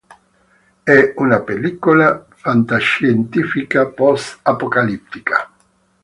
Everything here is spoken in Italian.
È una pellicola fantascientifica post apocalittica.